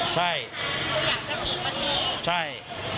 ใช่ใช่